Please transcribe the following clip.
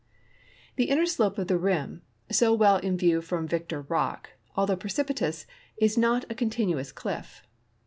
The inner slope of the rim, so well in view from Victor rock, although precipitous, is not a continuous cliff.